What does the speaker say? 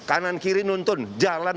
kanan kiri nuntun jalan